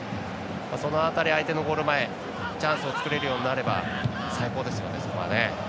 その辺り、相手のゴール前チャンスを作れるようになれば最高ですよね、それは。